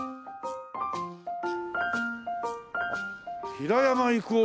平山郁夫